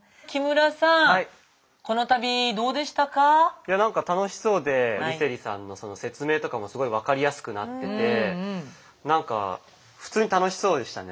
いやなんか楽しそうで梨星さんの説明とかもすごい分かりやすくなっててなんか普通に楽しそうでしたね。